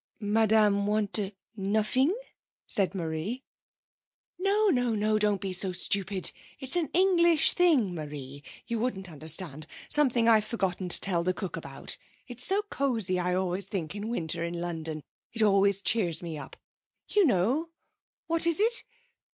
'Madame want "nuffing"?' said Marie. 'No, no, no! Don't be so stupid. It's an English thing, Marie; you wouldn't understand. Something I've forgotten to tell the cook about. It's so cosy I always think in the winter in London. It always cheers me up. You know, what is it?...